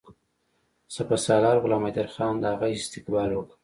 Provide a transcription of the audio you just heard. سپه سالار غلام حیدرخان د هغه استقبال وکړ.